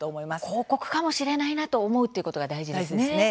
広告かもしれないなと思うことが大事ですね。